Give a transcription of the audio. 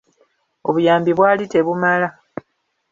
Obuyambi bwali tebumala.